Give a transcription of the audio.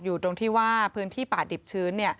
อยู่ตรงที่ว่าพื้นที่ป่าดิบชื้น